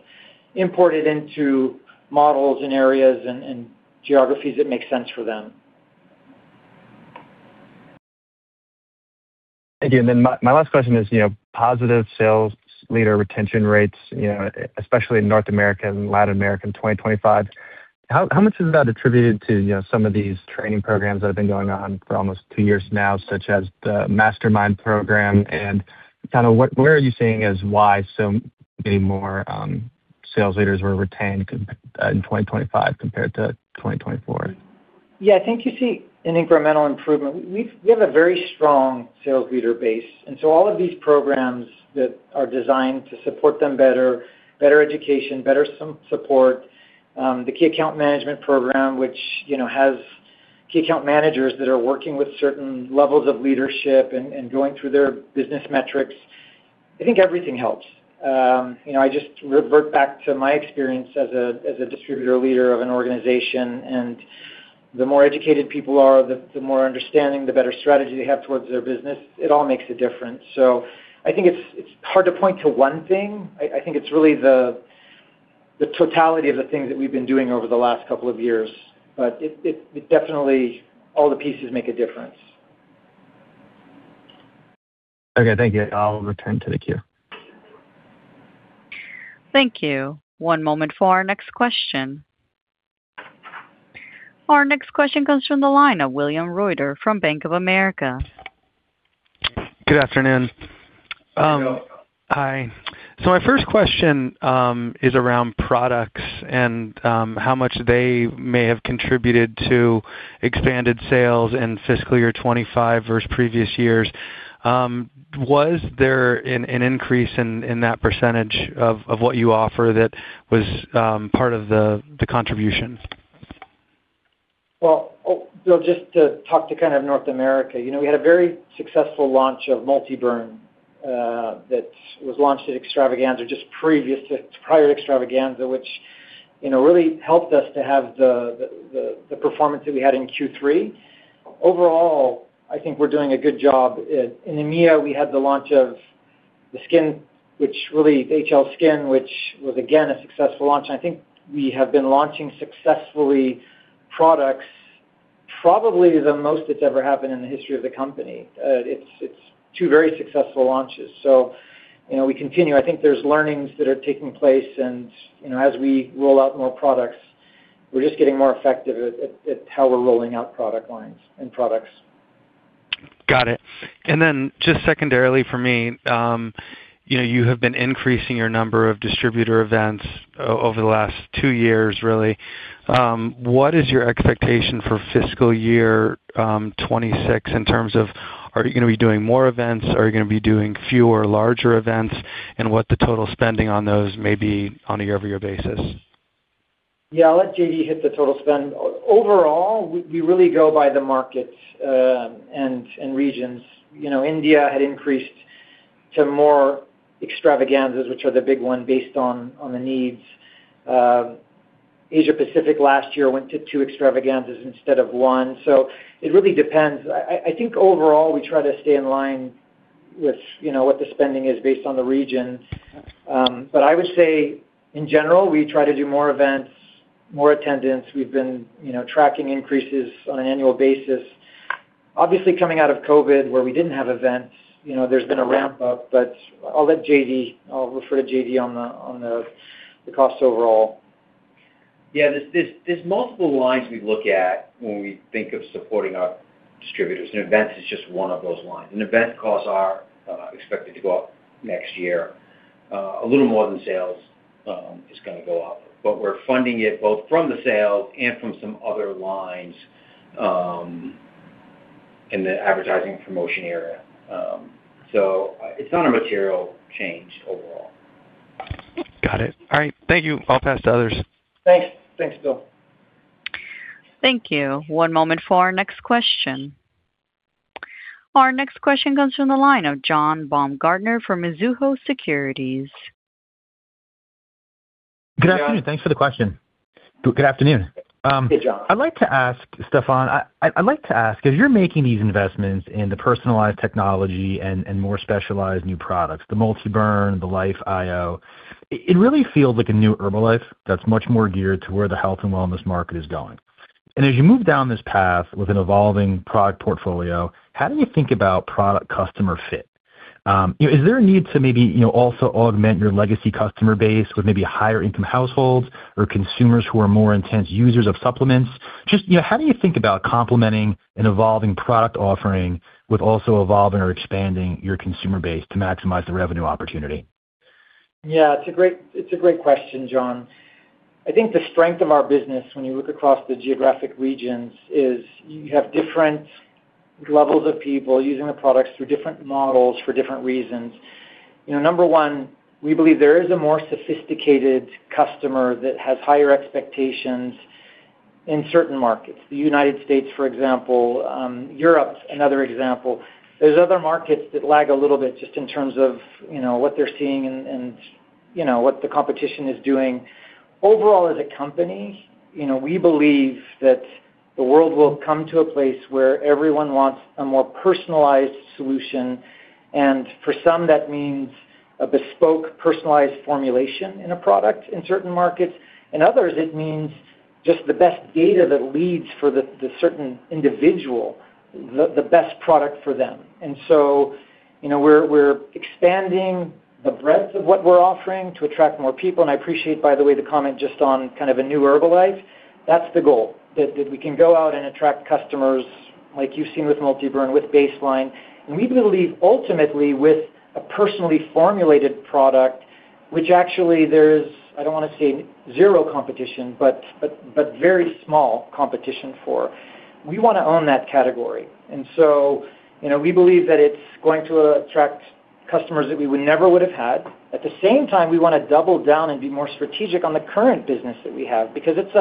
import it into models and areas and geographies that make sense for them. Thank you. Then my last question is positive Sales Leaders retention rates especially in North America and Latin America in 2025. How much is that attributed to some of these training programs that have been going on for almost two years now, such as the Mastermind program? What, where are you seeing as why so many more Sales Leaders were retained in 2025 compared to 2024? I think you see an incremental improvement. We have a very strong sales leader base, and so all of these programs that are designed to support them better, better education, better some support, the key account management program, which, you know, has key account managers that are working with certain levels of leadership and going through their business metrics. I think everything helps. You know, I just revert back to my experience as a distributor leader of an organization, and the more educated people are, the more understanding, the better strategy they have towards their business. It all makes a difference. So I think it's hard to point to one thing. I think it's really the totality of the things that we've been doing over the last couple of years, but it definitely, all the pieces make a difference. Okay, thank you. I'll return to the queue. Thank you. One moment for our next question. Our next question comes from the line of William Reuter from Bank of America. Good afternoon. Hello. Hi. So my first question is around products and how much they may have contributed to expanded sales in fiscal year 2025 versus previous years. Was there an increase in that percentage of what you offer that was part of the contribution? Well, oh, Bill, just to talk to kind of North America, you know, we had a very successful launch of MultiBurn, that was launched at Extravaganza, prior to Extravaganza, which, you know, really helped us to have the performance that we had in Q3. Overall, I think we're doing a good job. In EMEA, we had the launch of the skin, which really, HL/Skin, which was again, a successful launch. I think we have been launching successfully products, probably the most that's ever happened in the history of the company. It's two very successful launches. So, you know, we continue. I think there's learnings that are taking place, and, you know, as we roll out more products, we're just getting more effective at how we're rolling out product lines and products. Got it. And then just secondarily for me, you know, you have been increasing your number of distributor events over the last two years, really. What is your expectation for fiscal year 2026 in terms of, are you going to be doing more events? Are you going to be doing fewer, larger events? And what the total spending on those may be on a year-over-year basis? Yeah, I'll let JD hit the total spend. Overall, we really go by the markets and regions. You know, India had increased to more Extravaganzas, which are the big one based on the needs. Asia Pacific last year went to 2 Extravaganzas instead of 1. So it really depends. I think overall, we try to stay in line with, you know, what the spending is based on the region. But I would say in general, we try to do more events, more attendance. We've been, you know, tracking increases on an annual basis. Obviously, coming out of COVID, where we didn't have events, you know, there's been a ramp-up, but I'll let JD. I'll refer to JD on the costs overall. Yeah, there's multiple lines we look at when we think of supporting our distributors, and events is just one of those lines. And event costs are expected to go up next year a little more than sales is going to go up. But we're funding it both from the sales and from some other lines in the advertising promotion area. So it's not a material change overall. Got it. All right. Thank you. I'll pass to others. Thanks. Thanks, Bill. Thank you. One moment for our next question. Our next question comes from the line of John Baumgartner from Mizuho Securities. Good afternoon. Thanks for the question. Good afternoon. Hey, John. I'd like to ask Stephan, I'd like to ask, as you're making these investments in the personalized technology and more specialized new products, the MultiBurn, the Life I/O, it really feels like a new Herbalife that's much more geared to where the health and wellness market is going. And as you move down this path with an evolving product portfolio, how do you think about product-customer fit? You know, is there a need to maybe, you know, also augment your legacy customer base with maybe higher income households or consumers who are more intense users of supplements? Just, you know, how do you think about complementing an evolving product offering with also evolving or expanding your consumer base to maximize the revenue opportunity? Yeah, it's a great, it's a great question, John. I think the strength of our business when you look across the geographic regions is you have different levels of people using the products through different models for different reasons. You know, number one, we believe there is a more sophisticated customer that has higher expectations in certain markets. The United States, for example, Europe, another example. There's other markets that lag a little bit just in terms of, you know, what they're seeing and, you know, what the competition is doing. Overall, as a company, you know, we believe that the world will come to a place where everyone wants a more personalized solution, and for some, that means a bespoke, personalized formulation in a product in certain markets. In others, it means just the best data that leads for the certain individual, the best product for them. And so, you know, we're expanding the breadth of what we're offering to attract more people. And I appreciate, by the way, the comment just on kind of a new Herbalife. That's the goal, that we can go out and attract customers like you've seen with MultiBurn, with Baseline. And we believe, ultimately, with a personally formulated product, which actually there is, I don't want to say zero competition, but very small competition for. We want to own that category. And so, you know, we believe that it's going to attract customers that we would never have had. At the same time, we want to double down and be more strategic on the current business that we have, because it's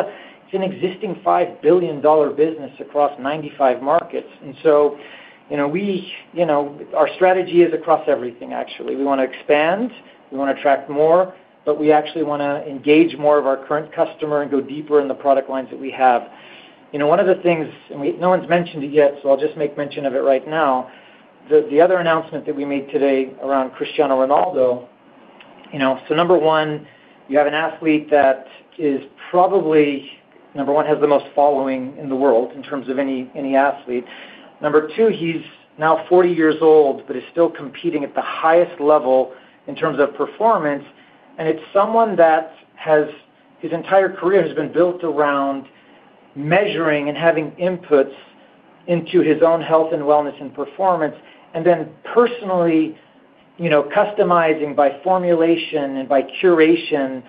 an existing $5 billion business across 95 markets. And so, you know, we, you know, our strategy is across everything, actually. We want to expand, we want to attract more, but we actually want to engage more of our current customer and go deeper in the product lines that we have. You know, one of the things, and no one's mentioned it yet, so I'll just make mention of it right now. The other announcement that we made today around Cristiano Ronaldo, you know, so number one, you have an athlete that is probably number one, has the most following in the world in terms of any athlete. Number two, he's now 40 years old, but is still competing at the highest level in terms of performance. And it's someone that has, his entire career has been built around measuring and having inputs into his own health and wellness and performance, and then personally, you know, customizing by formulation and by curation,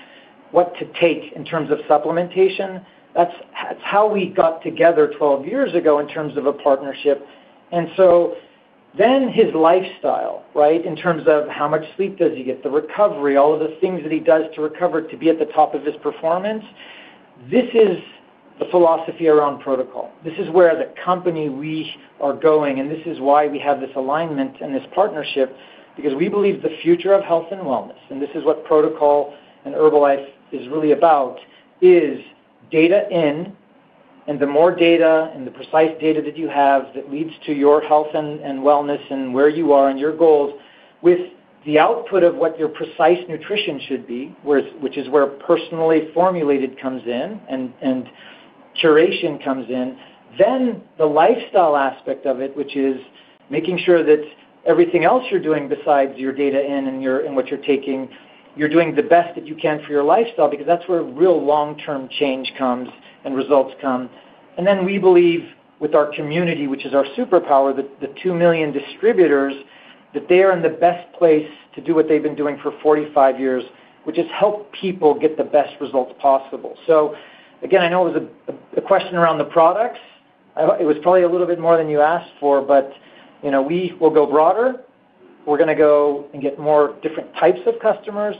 what to take in terms of supplementation. That's, that's how we got together 12 years ago in terms of a partnership. And so then his lifestyle, right, in terms of how much sleep does he get, the recovery, all of the things that he does to recover to be at the top of his performance, this is the philosophy around Pro2col. This is where the company we are going, and this is why we have this alignment and this partnership, because we believe the future of health and wellness, and this is what Pro2col and Herbalife is really about, is data in, and the more data and the precise data that you have that leads to your health and, and wellness and where you are and your goals, with the output of what your precise nutrition should be, which is where personally formulated comes in and, and curation comes in. Then the lifestyle aspect of it, which is making sure that everything else you're doing besides your data in and your, and what you're taking, you're doing the best that you can for your lifestyle, because that's where real long-term change comes and results come. Then we believe with our community, which is our superpower, the 2 million distributors, that they are in the best place to do what they've been doing for 45 years, which is help people get the best results possible. So again, I know it was a question around the products. It was probably a little bit more than you asked for, but, you know, we will go broader. We're gonna go and get more different types of customers,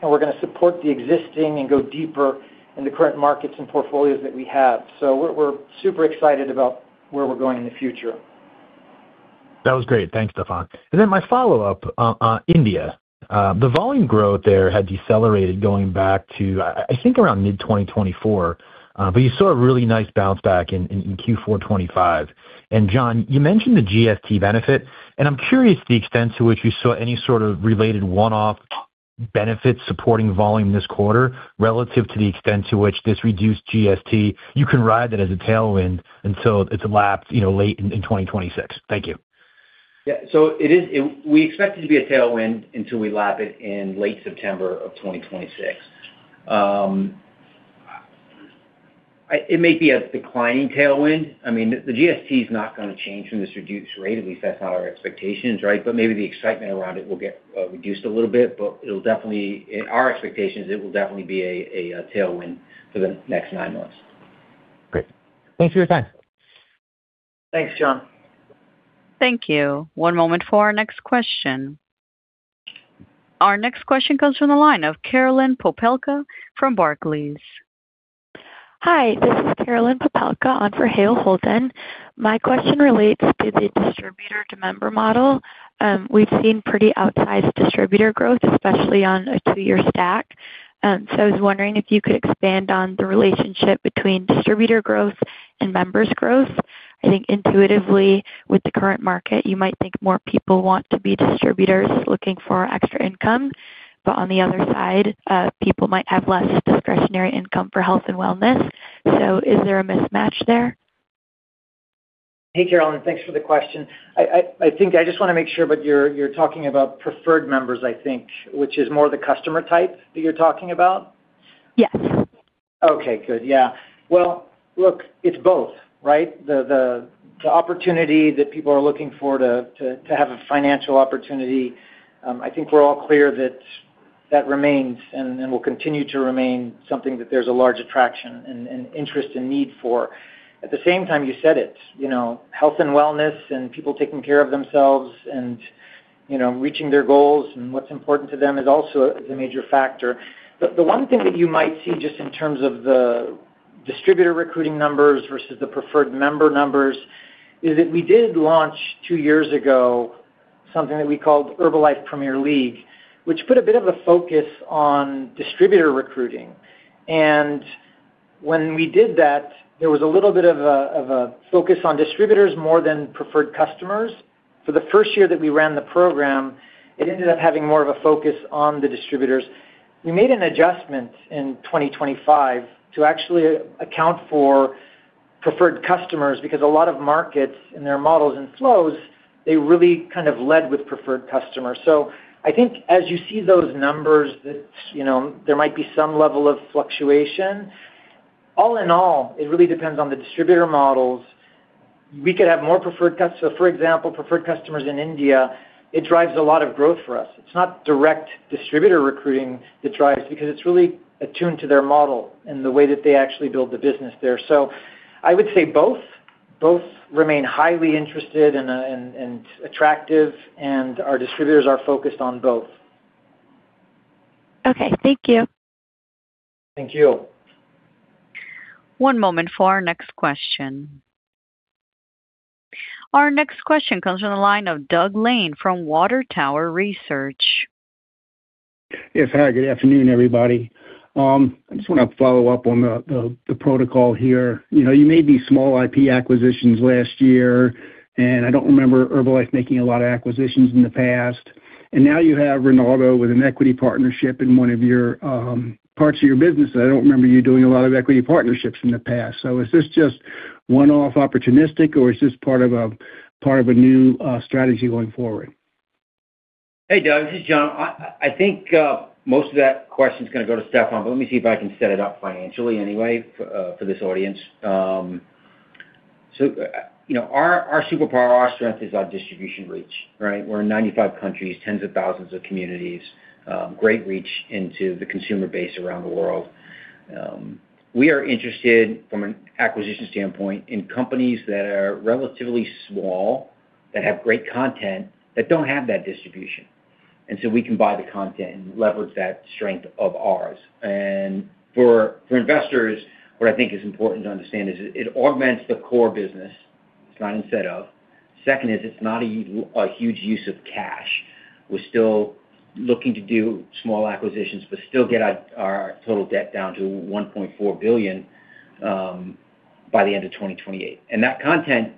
and we're gonna support the existing and go deeper in the current markets and portfolios that we have. So we're, we're super excited about where we're going in the future. That was great. Thanks, Stephan. And then my follow-up, India. The volume growth there had decelerated going back to around mid-2024, but you saw a really nice bounce back in Q4 2025. And John, you mentioned the GST benefit, and I'm curious the extent to which you saw any related one-off benefits supporting volume this quarter, relative to the extent to which this reduced GST. You can ride that as a tailwind until it's lapsed late in 2026. Thank you. So it is. We expect it to be a tailwind until we lap it in late September of 2026. It may be a declining tailwind. I mean, the GST is not gonna change from this reduced rate. At least that's not our expectations, right? But maybe the excitement around it will get reduced a little bit, but it'll definitely, in our expectations, it will definitely be a tailwind for the next nine months. Great. Thanks for your time. Thanks, John. Thank you. One moment for our next question. Our next question comes from the line of Carolyn Popelka from Barclays. Hi, this is Carolyn Popelka on for Hale Holden. My question relates to the distributor-to-member model. We've seen pretty outsized distributor growth, especially on a two-year stack. So I was wondering if you could expand on the relationship between distributor growth and members growth. I think intuitively, with the current market, you might think more people want to be distributors looking for extra income. But on the other side, people might have less discretionary income for health and wellness. So is there a mismatch there? Hey, Carolyn, thanks for the question. I think I just wanna make sure, but you're talking about Preferred Members, I think, which is more the customer type that you're talking about? Yes. Okay, good. Yeah. Well, look, it's both, right? The, the, the opportunity that people are looking for to, to, to have a financial opportunity, I think we're all clear that that remains and, and will continue to remain something that there's a large attraction and, and interest and need for. At the same time, you said it, you know, health and wellness and people taking care of themselves and, you know, reaching their goals and what's important to them is also is a major factor. But the one thing that you might see, just in terms of the distributor recruiting numbers versus the Preferred Member numbers, is that we did launch two years ago, something that we called Herbalife Premier League, which put a bit of a focus on distributor recruiting. When we did that, there was a little bit of a focus on distributors more than preferred customers. For the first year that we ran the program, it ended up having more of a focus on the distributors. We made an adjustment in 2025 to actually account for preferred customers, because a lot of markets and their models and flows, they really kind of led with preferred customers. So I think as you see those numbers, that, you know, there might be some level of fluctuation. All in all, it really depends on the distributor models. We could have more preferred cust- so for example, preferred customers in India, it drives a lot of growth for us. It's not direct distributor recruiting that drives, because it's really attuned to their model and the way that they actually build the business there. So I would say both, both remain highly interested and attractive, and our distributors are focused on both. Okay, thank you. Thank you. One moment for our next question. Our next question comes from the line of Doug Lane from Water Tower Research. Yes, hi, good afternoon, everybody. I just want to follow up on the Pro2col here. You know, you made these small IP acquisitions last year, and I don't remember Herbalife making a lot of acquisitions in the past. And now you have Ronaldo with an equity partnership in one of your parts of your business. I don't remember you doing a lot of equity partnerships in the past. So is this just one-off opportunistic, or is this part of a new strategy going forward? Hey, Doug, this is John. I think most of that question is going to go to Stephan, but let me see if I can set it up financially anyway for this audience. So, you know, our superpower, our strength is our distribution reach, right? We're in 95 countries, tens of thousands of communities, great reach into the consumer base around the world. We are interested, from an acquisition standpoint, in companies that are relatively small, that have great content, that don't have that distribution. And so we can buy the content and leverage that strength of ours. And for investors, what I think is important to understand is it augments the core business. It's not instead of. Second is it's not a huge use of cash. We're still looking to do small acquisitions, but still get our total debt down to $1.4 billion by the end of 2028. And that content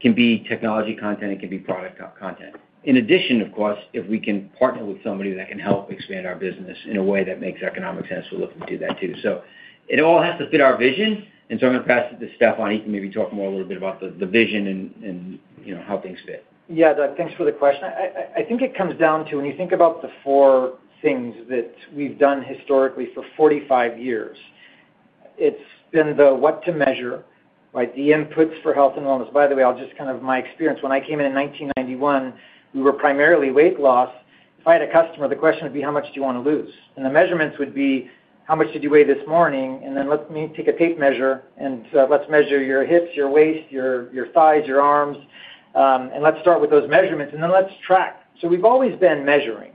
can be technology content, it can be product content. In addition, of course, if we can partner with somebody that can help expand our business in a way that makes economic sense, we'll look to do that, too. So it all has to fit our vision, and so I'm going to pass it to Stephan. He can maybe talk more a little bit about the vision and, you know, how things fit. Doug, thanks for the question. I think it comes down to when you think about the four things that we've done historically for 45 years, it's been the what to measure, right? The inputs for health and wellness. By the way, my experience, when I came in, in 1991, we were primarily weight loss. If I had a customer, the question would be, "How much do you want to lose?" And the measurements would be, "How much did you weigh this morning? And then let me take a tape measure, and let's measure your hips, your waist, your thighs, your arms, and let's start with those measurements, and then let's track." So we've always been measuring.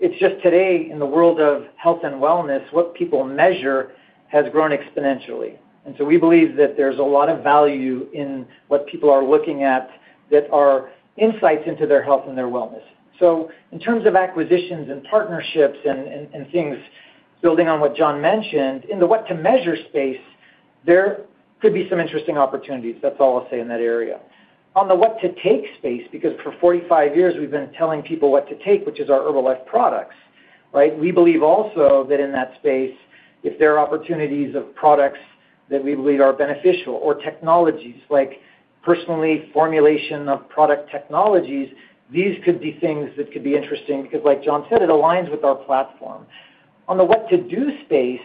It's just today, in the world of health and wellness, what people measure has grown exponentially. We believe that there's a lot of value in what people are looking at, that are insights into their health and their wellness. So in terms of acquisitions and partnerships and things, building on what John mentioned, in the what to measure space, there could be some interesting opportunities. That's all I'll say in that area. On the what to take space, because for 45 years, we've been telling people what to take, which is our Herbalife products, right? We believe also that in that space, if there are opportunities of products that we believe are beneficial or technologies, like personally formulation of product technologies, these could be things that could be interesting, because like John said, it aligns with our platform. On the what to do space,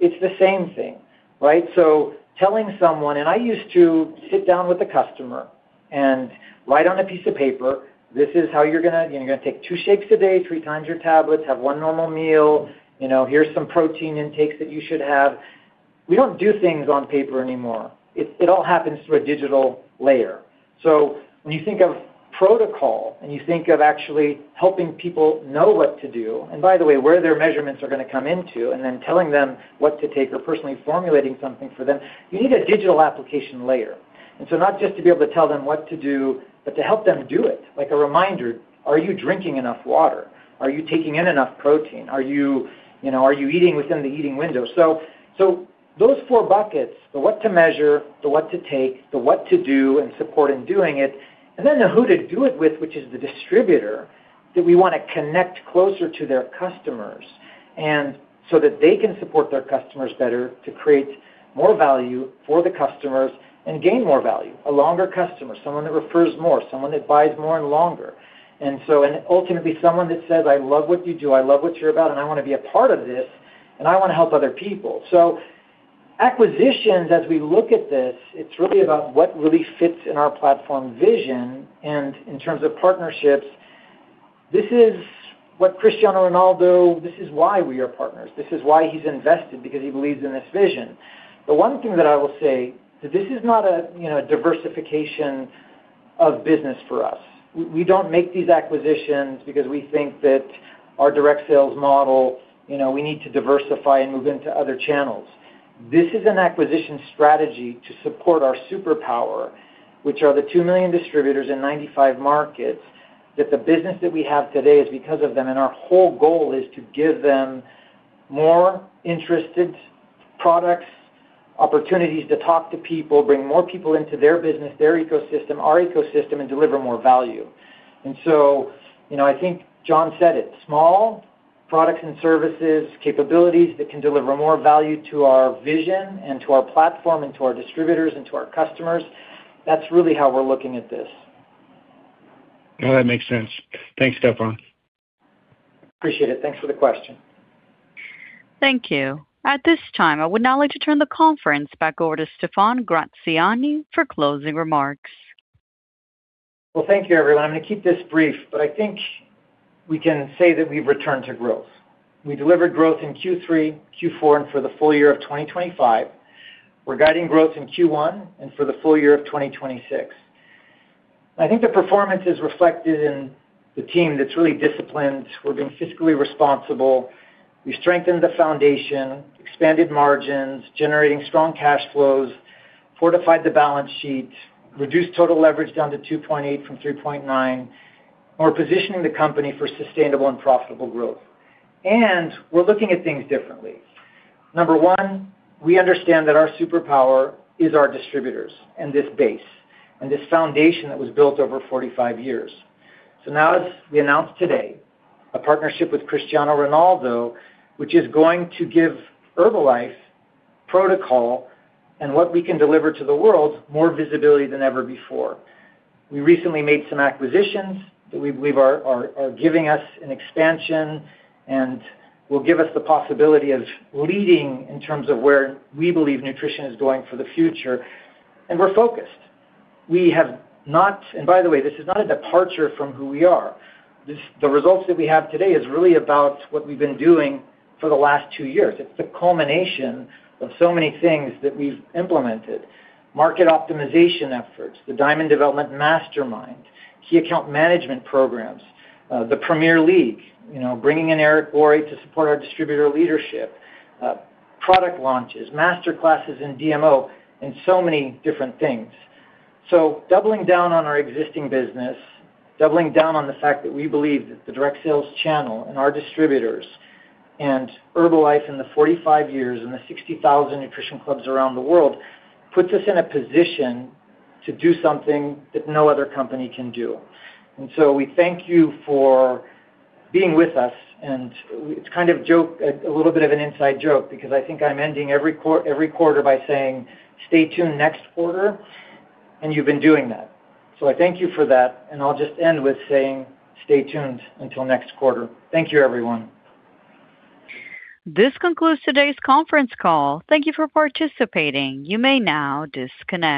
it's the same thing, right? I used to sit down with a customer and write on a piece of paper, "This is how you're going to take two shakes a day, 3x your tablets, have one normal meal. You know, here's some protein intakes that you should have." We don't do things on paper anymore. It, it all happens through a digital layer. So when you think of Pro2col, and you think of actually helping people know what to do, and by the way, where their measurements are going to come into, and then telling them what to take or personally formulating something for them, you need a digital application layer. And so not just to be able to tell them what to do, but to help them do it. Like a reminder, are you drinking enough water? Are you taking in enough protein? Are you, you know, are you eating within the eating window? So those four buckets, the what to measure, the what to take, the what to do and support in doing it, and then the who to do it with, which is the distributor, that we want to connect closer to their customers, and so that they can support their customers better, to create more value for the customers and gain more value, a longer customer, someone that refers more, someone that buys more and longer. And ultimately, someone that says, "I love what you do, I love what you're about, and I want to be a part of this, and I want to help other people." So acquisitions, as we look at this, it's really about what really fits in our platform vision. In terms of partnerships, this is what Cristiano Ronaldo, this is why we are partners. This is why he's invested, because he believes in this vision. The one thing that I will say, that this is not a, you know, diversification of business for us. We, we don't make these acquisitions because we think that our direct sales model, you know, we need to diversify and move into other channels. This is an acquisition strategy to support our superpower, which are the 2 million distributors in 95 markets, that the business that we have today is because of them, and our whole goal is to give them more interested products, opportunities to talk to people, bring more people into their business, their ecosystem, our ecosystem, and deliver more value. And so, you know, I think John said it, small products and services, capabilities that can deliver more value to our vision and to our platform and to our distributors and to our customers. That's really how we're looking at this. Well, that makes sense. Thanks, Stephan. Appreciate it. Thanks for the question. Thank you. At this time, I would now like to turn the conference back over to Stephan Gratziani for closing remarks. Well, thank you, everyone. I'm going to keep this brief, but I think we can say that we've returned to growth. We delivered growth in Q3, Q4, and for the full year of 2025. We're guiding growth in Q1 and for the full year of 2026. I think the performance is reflected in the team that's really disciplined. We're being fiscally responsible. We strengthened the foundation, expanded margins, generating strong cash flows, fortified the balance sheet, reduced total leverage down to 2.8 from 3.9, and we're positioning the company for sustainable and profitable growth. We're looking at things differently. Number one, we understand that our superpower is our distributors, and this base, and this foundation that was built over 45 years. Now, as we announced today, a partnership with Cristiano Ronaldo, which is going to give Herbalife Pro2col and what we can deliver to the world more visibility than ever before. We recently made some acquisitions that we believe are giving us an expansion and will give us the possibility of leading in terms of where we believe nutrition is going for the future, and we're focused. By the way, this is not a departure from who we are. These results that we have today, is really about what we've been doing for the last two years. It's the culmination of so many things that we've implemented. Market optimization efforts, the Diamond Development Mastermind, key account management programs, the Premier League, you know, bringing in Eric Worre to support our distributor leadership, product launches, master classes in DMO, and so many different things. Doubling down on our existing business, doubling down on the fact that we believe that the direct sales channel, and our distributors, and Herbalife in the 45 years, and the 60,000 Nutrition Clubs around the world, puts us in a position to do something that no other company can do. And so we thank you for being with us, and it's kind of joke, a little bit of an inside joke, because I think I'm ending every quarter by saying, "Stay tuned next quarter," and you've been doing that. So I thank you for that, and I'll just end with saying, stay tuned until next quarter. Thank you, everyone. This concludes today's conference call. Thank you for participating. You may now disconnect.